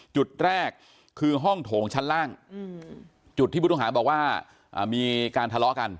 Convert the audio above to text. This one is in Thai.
จุดแรกคือห้องโถงชั้นล่างจุดที่ผู้ต้องหาบอกว่ามีการทะเลาะกัน